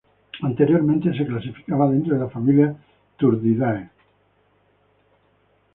Anteriormente se clasificaba dentro de la familia Turdidae.